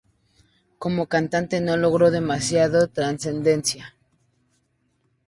Como cantante no logró demasiada trascendencia.